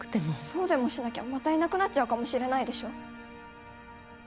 そうでもしなきゃまたいなくなっちゃうかもしれないでしょ？